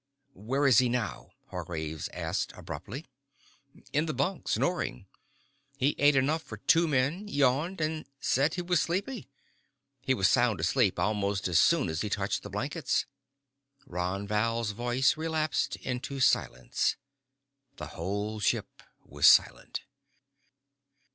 "Where is he now?" Hargraves asked abruptly. "In his bunk, snoring. He ate enough for two men, yawned, said he was sleepy. He was sound asleep almost as soon as he touched the blankets." Ron Val's voice relapsed into silence. The whole ship was silent.